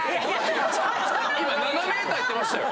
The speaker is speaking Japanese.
７ｍいってましたよ！